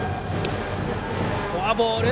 フォアボール。